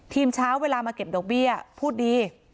เช้าเวลามาเก็บดอกเบี้ยพูดดี